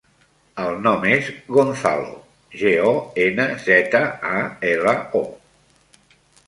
El nom és Gonzalo: ge, o, ena, zeta, a, ela, o.